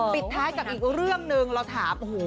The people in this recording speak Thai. ปิดแท้กับอีกเรื่องนึงเราถาม